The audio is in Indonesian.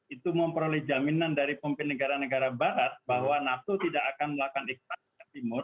itu memperoleh jaminan dari pemimpin negara negara barat bahwa nato tidak akan melakukan ekspansi ke timur